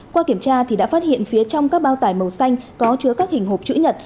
qua kiểm tra thì đã phát hiện phía trong các bao tải màu xanh có chứa các hình hộp chữ nhật